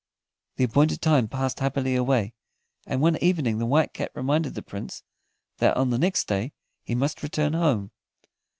The appointed time passed happily away, and one evening the White Cat reminded the Prince that on the next day he must return home.